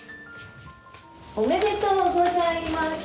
おめでとうございます。